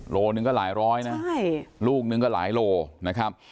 โลหนึ่งก็หลายร้อยนะลูกนึงก็หลายโลนะครับ